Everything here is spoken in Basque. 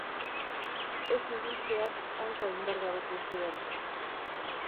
Ez ibiltzeak hanka indargabetu zion.